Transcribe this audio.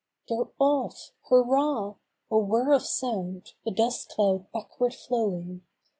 They're OFF! Hurrah! A whir of sound, a dust cloud backward flowing.